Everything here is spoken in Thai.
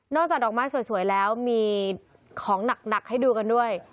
จากดอกไม้สวยแล้วมีของหนักให้ดูกันด้วย